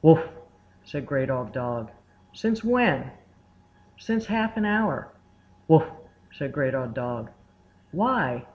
"Wuff!" said Great Old Dog. "Since when?" "Since half an hour." "Wuff!" said Great Old Dog. "Why?"